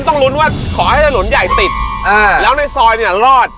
ต้องหลุ้นว่าขอให้หลุ้นใหญ่ติดแล้วในซอยรอด